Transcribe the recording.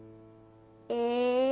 え。